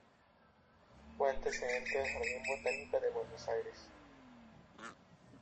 Fue antecedente del Jardín Botánico de Buenos Aires.